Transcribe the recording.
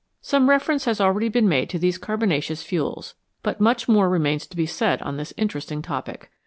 Some reference has already been made to these carbonaceous fuels, but much more remains to be said on this inter esting topic.